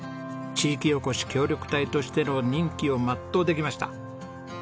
地域おこし協力隊としての任期を全うできました。